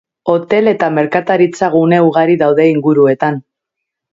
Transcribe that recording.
Hotel eta merkataritza-gune ugari daude inguruetan.